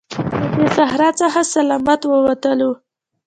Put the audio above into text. له دې صحرا څخه سلامت ووتلو.